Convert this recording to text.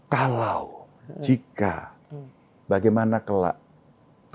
kalau jika bagaimana kelak